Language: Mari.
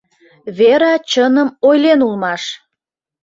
— Вера чыным ойлен улмаш!